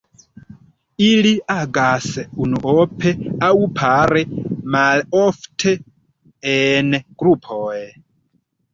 Ili agas unuope aŭ pare, malofte en grupoj.